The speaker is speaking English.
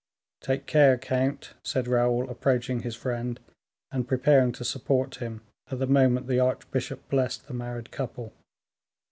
"Take care, count," said Raoul, approaching his friend, and preparing to support him at the moment the archbishop blessed the married couple.